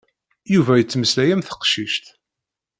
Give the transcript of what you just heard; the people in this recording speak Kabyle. Yuba yettmeslay am teqcict.